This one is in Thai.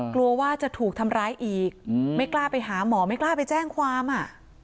กลัวว่าจะถูกทำร้ายอีกไม่กล้าไปหาหมอไม่กล้าไปแจ้งความอ่ะ